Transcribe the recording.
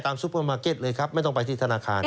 ซุปเปอร์มาร์เก็ตเลยครับไม่ต้องไปที่ธนาคาร